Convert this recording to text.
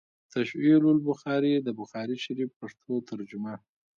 “ تشعيل البخاري” َد بخاري شريف پښتو ترجمه